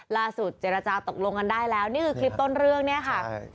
เจรจาตกลงกันได้แล้วนี่คือคลิปต้นเรื่องเนี่ยค่ะ